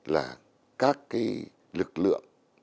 là các cái lực lượng